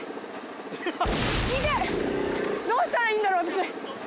イテッどうしたらいいんだろう私